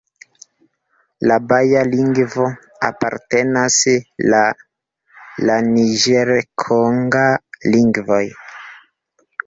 La baja lingvo apartenas la la niĝer-kongaj lingvoj.